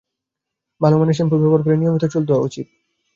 ভালো মানের শ্যাম্পু ব্যবহার করে নিয়মিত চুল ধোয়া উচিত।